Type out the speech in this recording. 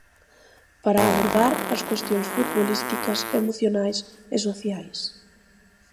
Para abordar as cuestións futbolísticas, emocionais e sociais.